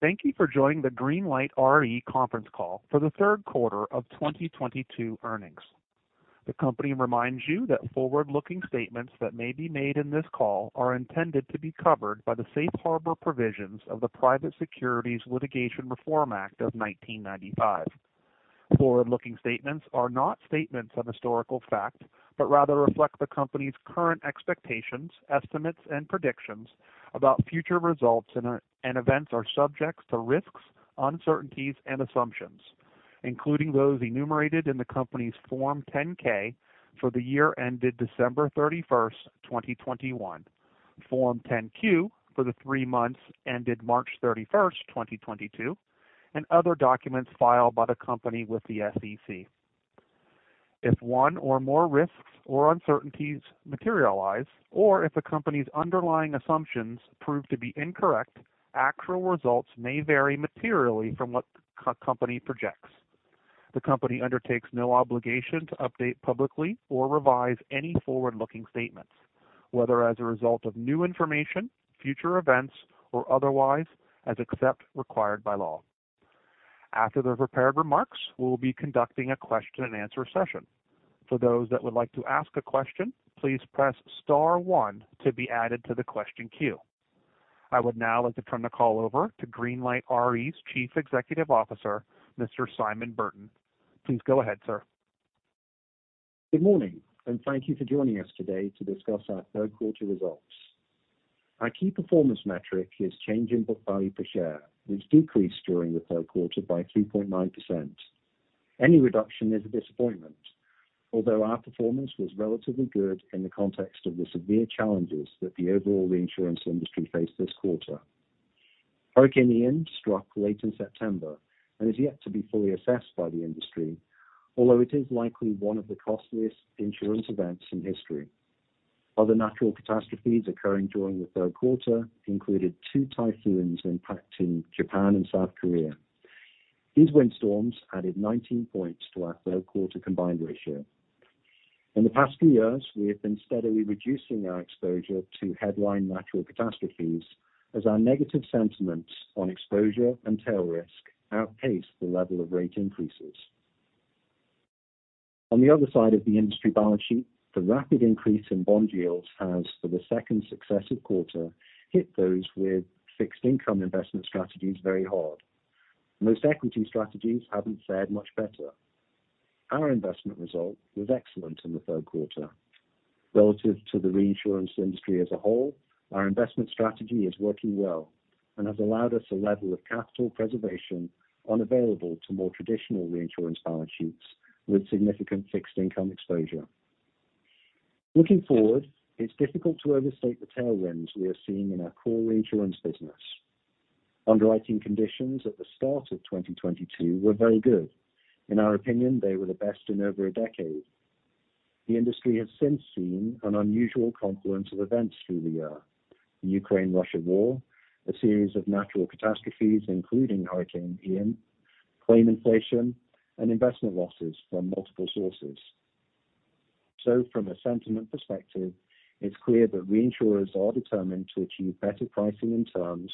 Thank you for joining the Greenlight Re conference call for the third quarter of 2022 earnings. The company reminds you that forward-looking statements that may be made in this call are intended to be covered by the safe harbor provisions of the Private Securities Litigation Reform Act of 1995. Forward-looking statements are not statements of historical fact, but rather reflect the company's current expectations, estimates, and predictions about future results and events are subject to risks, uncertainties, and assumptions, including those enumerated in the company's Form 10-K for the year ended December 31st, 2021, Form 10-Q for the three months ended March 31st, 2022, and other documents filed by the company with the SEC. If one or more risks or uncertainties materialize, or if the company's underlying assumptions prove to be incorrect, actual results may vary materially from what the company projects. The company undertakes no obligation to update publicly or revise any forward-looking statements, whether as a result of new information, future events, or otherwise, except as required by law. After the prepared remarks, we'll be conducting a question-and-answer session. For those that would like to ask a question, please press star one to be added to the question queue. I would now like to turn the call over to Greenlight Re's Chief Executive Officer, Mr. Simon Burton. Please go ahead, sir. Good morning, and thank you for joining us today to discuss our third quarter results. Our key performance metric is change in book value per share, which decreased during the third quarter by 3.9%. Any reduction is a disappointment, although our performance was relatively good in the context of the severe challenges that the overall reinsurance industry faced this quarter. Hurricane Ian struck late in September and is yet to be fully assessed by the industry, although it is likely one of the costliest insurance events in history. Other natural catastrophes occurring during the third quarter included two typhoons impacting Japan and South Korea. These windstorms added 19 points to our third quarter combined ratio. In the past few years, we have been steadily reducing our exposure to headline natural catastrophes as our negative sentiments on exposure and tail risk outpaced the level of rate increases. On the other side of the industry balance sheet, the rapid increase in bond yields has, for the second successive quarter, hit those with fixed income investment strategies very hard. Most equity strategies haven't fared much better. Our investment result was excellent in the third quarter. Relative to the reinsurance industry as a whole, our investment strategy is working well and has allowed us a level of capital preservation unavailable to more traditional reinsurance balance sheets with significant fixed income exposure. Looking forward, it's difficult to overstate the tailwinds we are seeing in our core reinsurance business. Underwriting conditions at the start of 2022 were very good. In our opinion, they were the best in over a decade. The industry has since seen an unusual confluence of events through the year, the Russo-Ukrainian War, a series of natural catastrophes, including Hurricane Ian, claim inflation, and investment losses from multiple sources. From a sentiment perspective, it's clear that reinsurers are determined to achieve better pricing and terms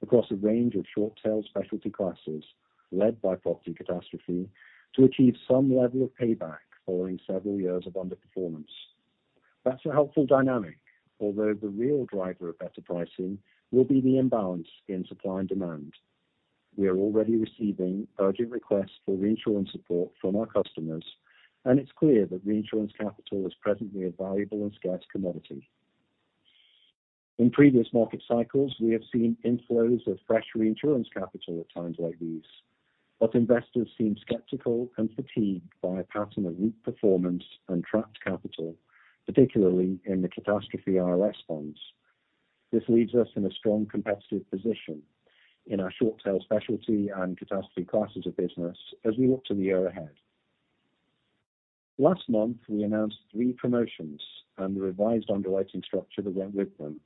across a range of short tail specialty classes, led by property catastrophe, to achieve some level of payback following several years of underperformance. That's a helpful dynamic, although the real driver of better pricing will be the imbalance in supply and demand. We are already receiving urgent requests for reinsurance support from our customers, and it's clear that reinsurance capital is presently a valuable and scarce commodity. In previous market cycles, we have seen inflows of fresh reinsurance capital at times like these, but investors seem skeptical and fatigued by a pattern of weak performance and trapped capital, particularly in the catastrophe ILS bonds. This leaves us in a strong competitive position in our short tail specialty and catastrophe classes of business as we look to the year ahead. Last month, we announced three promotions and the revised underwriting structure that went with them.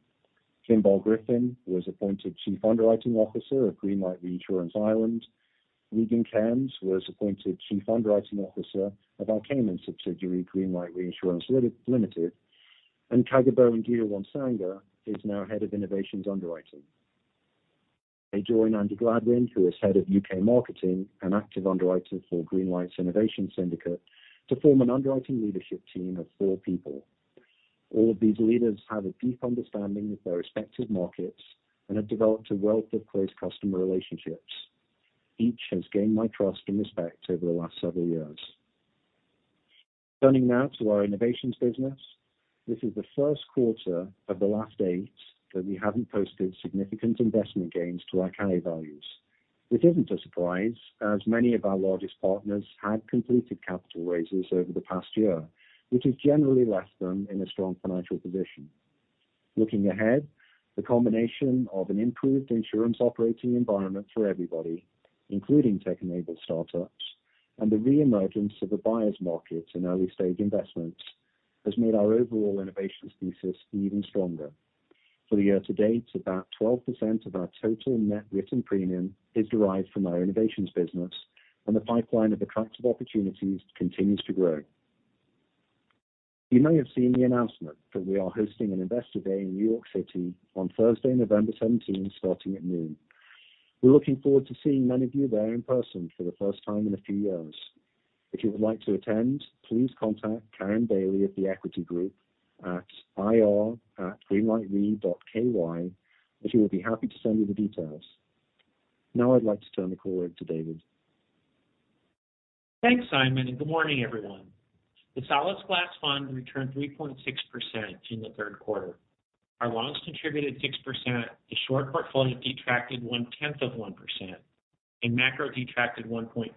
Finbar Griffin was appointed Chief Underwriting Officer of Greenlight Reinsurance Ireland. Regan Cairns was appointed Chief Underwriting Officer of our Cayman subsidiary, Greenlight Reinsurance, Ltd., and Kagabo Ngiruwonsanga is now Head of Innovations Underwriting. They join Andy Gladwin, who is head of U.K. Marketing and Active Underwriter for Greenlight Innovation Syndicate, to form an underwriting leadership team of four people. All of these leaders have a deep understanding of their respective markets and have developed a wealth of close customer relationships. Each has gained my trust and respect over the last several years. Turning now to our innovations business. This is the first quarter of the last eight that we haven't posted significant investment gains to our carry values. This isn't a surprise, as many of our largest partners had completed capital raises over the past year, which has generally left them in a strong financial position. Looking ahead, the combination of an improved insurance operating environment for everybody, including tech-enabled startups, and the reemergence of a buyer's market in early-stage investments has made our overall innovations thesis even stronger. For the year to date, about 12% of our total net written premium is derived from our innovations business, and the pipeline of attractive opportunities continues to grow. You may have seen the announcement that we are hosting an Investor Day in New York City on Thursday, November seventeenth, starting at noon. We're looking forward to seeing many of you there in person for the first time in a few years. If you would like to attend, please contact Karin Daly of The Equity Group at ir@greenlightre.ky, and she will be happy to send you the details. Now I'd like to turn the call over to David. Thanks, Simon, and good morning, everyone. The Solasglas Fund returned 3.6% in the third quarter. Our loans contributed 6%. The short portfolio detracted 0.1%, and macro detracted 1.4%.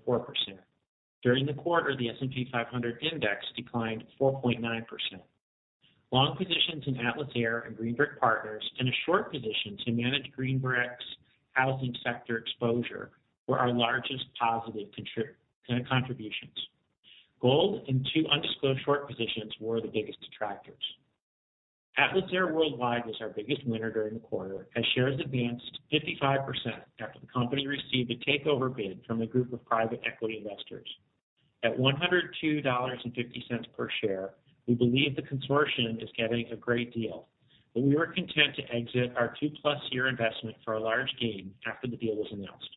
During the quarter, the S&P 500 index declined 4.9%. Long positions in Atlas Air and Green Brick Partners and a short position to manage Green Brick's housing sector exposure were our largest positive contributions. Gold and two undisclosed short positions were the biggest detractors. Atlas Air Worldwide was our biggest winner during the quarter, as shares advanced 55% after the company received a takeover bid from a group of private equity investors. At $102.50 per share, we believe the consortium is getting a great deal, but we were content to exit our 2+ year investment for a large gain after the deal was announced.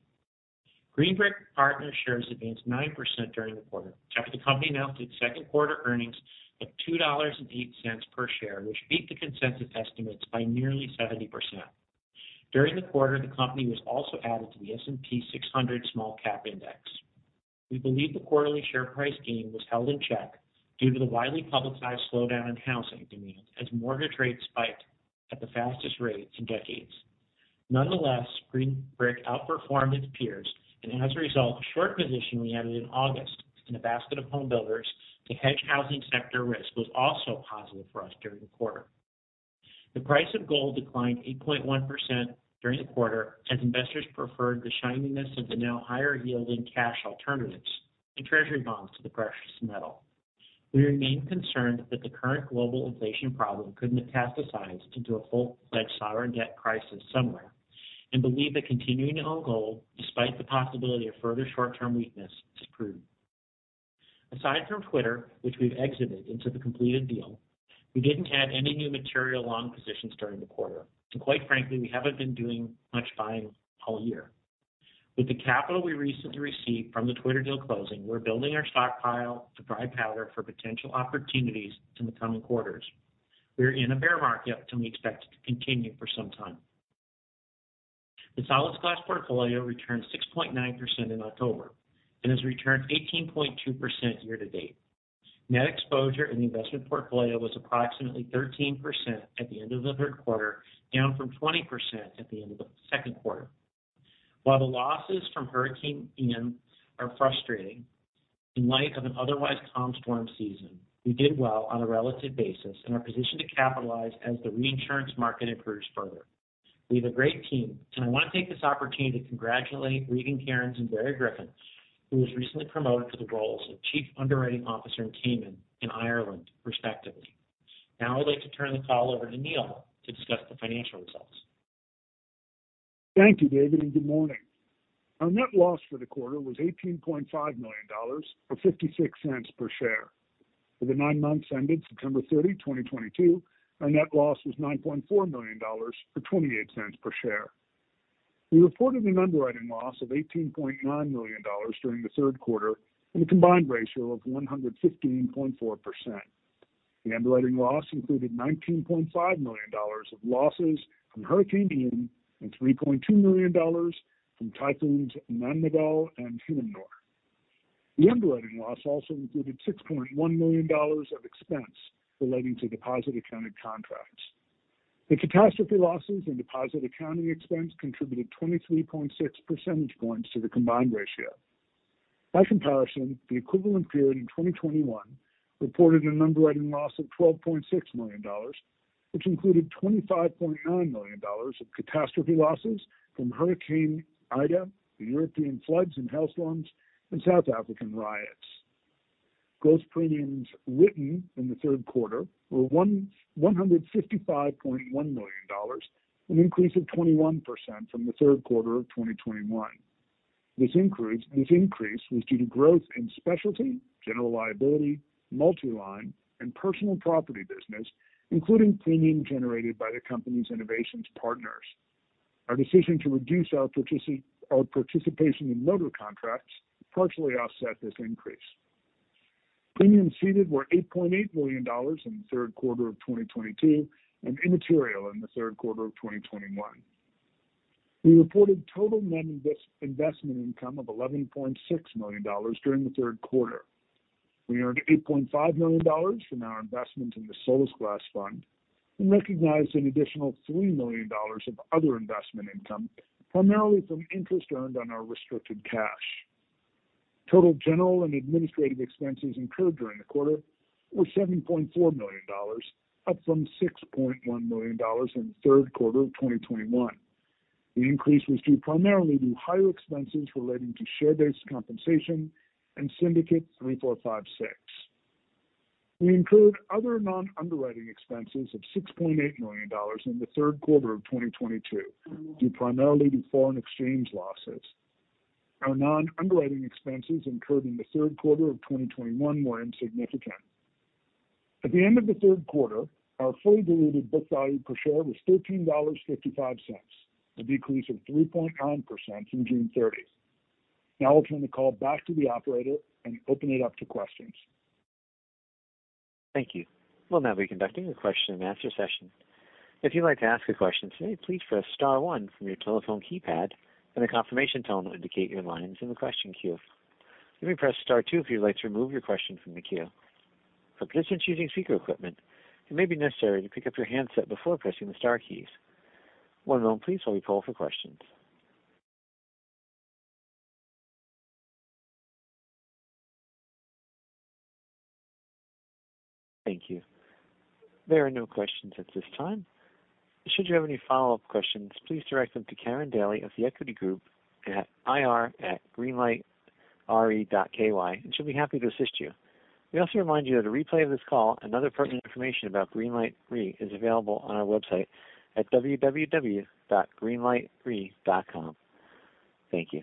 Green Brick Partners shares advanced 9% during the quarter after the company announced its second quarter earnings of $2.08 per share, which beat the consensus estimates by nearly 70%. During the quarter, the company was also added to the S&P 600 small-cap index. We believe the quarterly share price gain was held in check due to the widely publicized slowdown in housing demand as mortgage rates spiked at the fastest rate in decades. Nonetheless, Green Brick Partners outperformed its peers, and as a result, the short position we added in August in a basket of homebuilders to hedge housing sector risk was also positive for us during the quarter. The price of gold declined 8.1% during the quarter as investors preferred the shininess of the now higher yielding cash alternatives and Treasury bonds to the precious metal. We remain concerned that the current global inflation problem could mutate the size into a full-fledged sovereign debt crisis somewhere and believe that continuing to own gold despite the possibility of further short-term weakness is prudent. Aside from Twitter, which we've exited into the completed deal, we didn't add any new material long positions during the quarter. Quite frankly, we haven't been doing much buying all year. With the capital we recently received from the Twitter deal closing, we're building our stockpile of dry powder for potential opportunities in the coming quarters. We're in a bear market, and we expect it to continue for some time. The Solasglas portfolio returned 6.9% in October and has returned 18.2% year to date. Net exposure in the investment portfolio was approximately 13% at the end of the third quarter, down from 20% at the end of the second quarter. While the losses from Hurricane Ian are frustrating, in light of an otherwise calm storm season, we did well on a relative basis and are positioned to capitalize as the reinsurance market improves further. We have a great team, and I want to take this opportunity to congratulate Regan Cairns and Finbar Griffin, who was recently promoted to the roles of Chief Underwriting Officer and Chief Underwriting Officer in Ireland, respectively. Now I'd like to turn the call over to Neil to discuss the financial results. Thank you, David, and good morning. Our net loss for the quarter was $18.5 million or $0.56 per share. For the nine months ended September 30th, 2022, our net loss was $9.4 million or $0.28 per share. We reported an underwriting loss of $18.9 million during the third quarter and a combined ratio of 115.4%. The underwriting loss included $19.5 million of losses from Hurricane Ian and $3.2 million from typhoons Nanmadol and Hinnamnor. The underwriting loss also included $6.1 million of expense relating to deposit accounted contracts. The catastrophe losses and deposit accounting expense contributed 23.6 percentage points to the combined ratio. By comparison, the equivalent period in 2021 reported an underwriting loss of $12.6 million, which included $25.9 million of catastrophe losses from Hurricane Ida, the European floods and hailstorms, and South African riots. Gross premiums written in the third quarter were $155.1 million, an increase of 21% from the third quarter of 2021. This increase was due to growth in specialty, general liability, multi-line, and personal property business, including premium generated by the company's innovations partners. Our decision to reduce our participation in motor contracts partially offset this increase. Premiums ceded were $8.8 million in the third quarter of 2022 and immaterial in the third quarter of 2021. We reported total non-investment income of $11.6 million during the third quarter. We earned $8.5 million from our investment in the Solasglas Fund and recognized an additional $3 million of other investment income, primarily from interest earned on our restricted cash. Total general and administrative expenses incurred during the quarter was $7.4 million, up from $6.1 million in the third quarter of 2021. The increase was due primarily to higher expenses relating to share-based compensation and Syndicate 3456. We incurred other non-underwriting expenses of $6.8 million in the third quarter of 2022, due primarily to foreign exchange losses. Our non-underwriting expenses incurred in the third quarter of 2021 were insignificant. At the end of the third quarter, our fully diluted book value per share was $13.55, a decrease of 3.9% from June 30th. Now I'll turn the call back to the operator and open it up to questions. Thank you. We'll now be conducting a question and answer session. If you'd like to ask a question today, please press star one from your telephone keypad, and a confirmation tone will indicate your line is in the question queue. You may press star two if you'd like to remove your question from the queue. For participants using speaker equipment, it may be necessary to pick up your handset before pressing the star keys. One moment, please, while we poll for questions. Thank you. There are no questions at this time. Should you have any follow-up questions, please direct them to Karin Daly of The Equity Group at ir@greenlightre.ky, and she'll be happy to assist you. We also remind you that a replay of this call and other pertinent information about Greenlight Re is available on our website at www.greenlightre.com. Thank you.